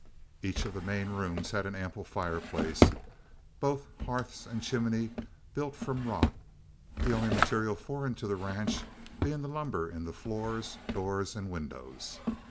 Each of the main rooms had an ample fireplace, both hearths and chimneys built from rock, the only material foreign to the ranch being the lumber in the floors, doors, and windows.